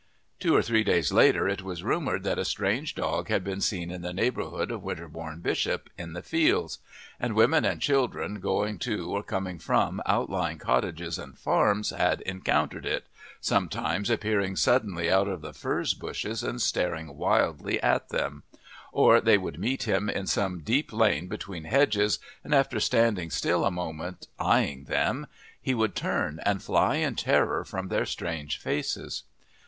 Two or three days later it was rumoured that a strange dog had been seen in the neighbourhood of Winterbourne Bishop, in the fields; and women and children going to or coming from outlying cottages and farms had encountered it, sometimes appearing suddenly out of the furze bushes and staring wildly at them; or they would meet him in some deep lane between hedges, and after standing still a moment eyeing them he would turn and fly in terror from their strange faces.